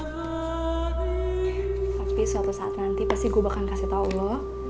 tapi suatu saat nanti pasti gue bakal kasih tau lo